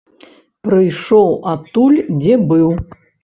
Прыйшоў адтуль, дзе быў.